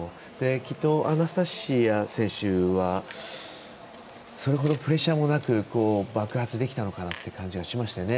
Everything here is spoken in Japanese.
きっと、アナステイジア選手はそれほどプレッシャーもなく爆発できたのかなって感じがしますよね。